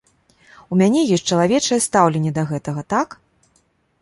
У мяне ёсць чалавечае стаўленне да гэтага, так?